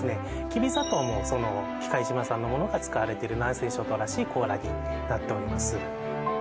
きび砂糖もその喜界島産のものが使われてる南西諸島らしいコーラになっております